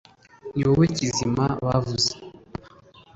Ni wowe Kizima bavuze